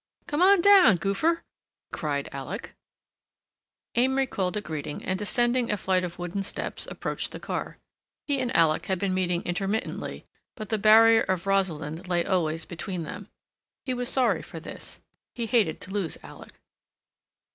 "Come on down, goopher!" cried Alec. Amory called a greeting and descending a flight of wooden steps approached the car. He and Alec had been meeting intermittently, but the barrier of Rosalind lay always between them. He was sorry for this; he hated to lose Alec.